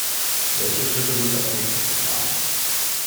Welche Schritte sind als Nächstes geplant?